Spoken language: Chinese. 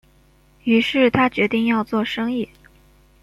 於是他决定要做生意